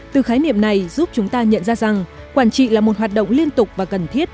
từ khái niệm này giúp chúng ta nhận ra rằng quản trị là một hoạt động liên tục và cần thiết